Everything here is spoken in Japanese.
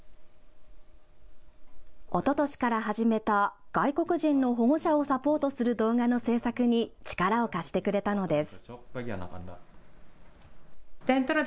おととしから始めた外国人の保護者をサポートする動画の制作に力を貸してくれたのです。